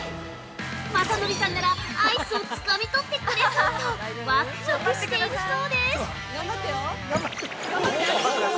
まさのりさんならアイスをつかみ取ってくれそうとわくわくしているそうです。